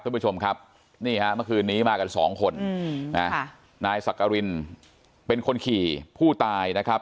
คุณผู้ชมครับนี่ฮะเมื่อคืนนี้มากันสองคนนายสักกรินเป็นคนขี่ผู้ตายนะครับ